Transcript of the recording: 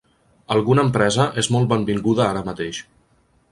Alguna empresa és molt benvinguda ara mateix.